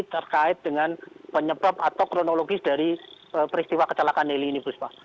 terkait dengan penyebab atau kronologis dari peristiwa kecelakaan heli ini buspa